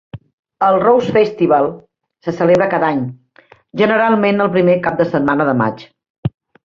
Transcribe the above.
El Rose Festival se celebra cada any, generalment el primer cap de setmana de maig.